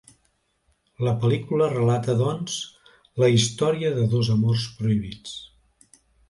La pel·lícula relata doncs la història de dos amors prohibits.